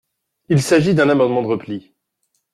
Il s’agit d’un amendement de repli.